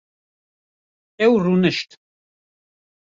Ew rûnişt